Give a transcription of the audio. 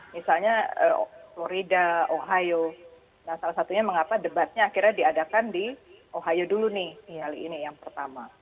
misalnya florida ohio nah salah satunya mengapa debatnya akhirnya diadakan di ohio dulu nih kali ini yang pertama